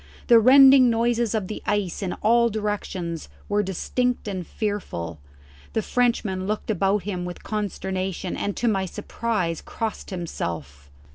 The rending noises of the ice in all directions were distinct and fearful. The Frenchman looked about him with consternation, and to my surprise crossed himself.